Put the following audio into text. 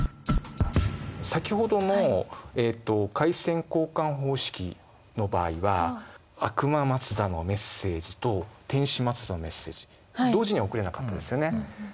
先ほどの回線交換方式の場合は悪魔マツダのメッセージと天使マツダのメッセージ同時には送れなかったですよね。